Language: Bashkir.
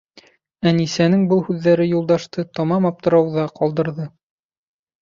Әнисәнең был һүҙҙәре Юлдашты тамам аптырауҙа ҡалдырҙы.